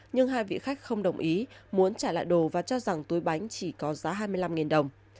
nhưng hai vị khách không đồng ý muốn trả lại đồ và cho rằng túi bánh chỉ có giá hai mươi năm đồng